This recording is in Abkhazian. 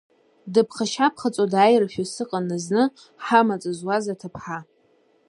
Дыԥхашьаԥхаҵо дааирашәа сыҟан зны ҳамаҵ зуаз аҭыԥҳа.